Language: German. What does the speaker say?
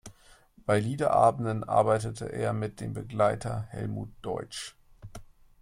Bei Liederabenden arbeitet er mit dem Begleiter Helmut Deutsch.